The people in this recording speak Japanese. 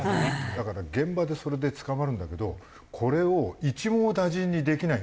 だから現場でそれで捕まるんだけどこれを一網打尽にできないんだよね。